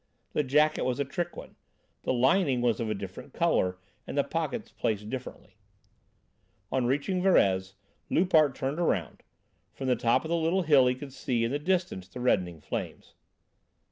The jacket was a trick one: the lining was a different colour and the pockets differently placed. On reaching Verrez, Loupart turned round. From the top of the little hill he could see, in the distance, the reddening flames.